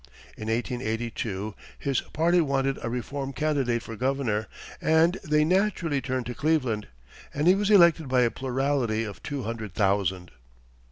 In 1882, his party wanted a reform candidate for governor, and they naturally turned to Cleveland, and he was elected by a plurality of two hundred thousand.